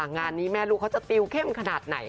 งานนี้แม่ลูคจะแฟนมาที่เย็นขนาดไหน